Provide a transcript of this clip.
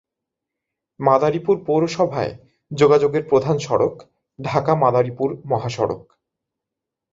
মাদারীপুর পৌরসভায় যোগাযোগের প্রধান সড়ক ঢাকা-মাদারীপুর মহাসড়ক।